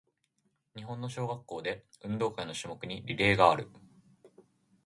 日本の小学校で、運動会の種目にリレーがある。